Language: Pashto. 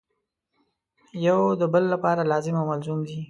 یو د بل لپاره لازم او ملزوم دي.